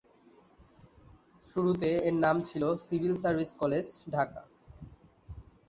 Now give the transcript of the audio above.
শুরুতে এর নাম ছিল সিভিল সার্ভিস কলেজ, ঢাকা।